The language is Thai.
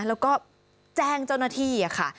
แล้วก็แจ้งเจ้าหน้าที่ค่ะ